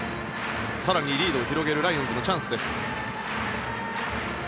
更にリードを広げるライオンズのチャンスです。